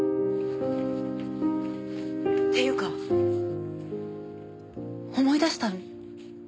っていうか思い出したの？